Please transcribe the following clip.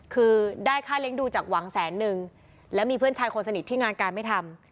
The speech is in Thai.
คือได้ค่าเลี้ยงดูจากหวังแสนนึงแล้วมีเพื่อนชายคนสนิทที่งานการไม่ทำ